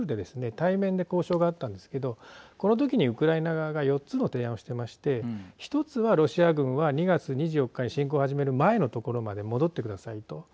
対面で交渉があったんですけどこの時にウクライナ側が４つの提案をしてまして１つはロシア軍は２月２４日に侵攻を始める前のところまで戻ってくださいと。